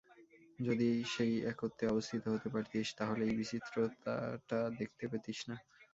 যদি সেই একত্বে অবস্থিত হতে পারতিস, তা হলে এই বিচিত্রতাটা দেখতে পেতিস না।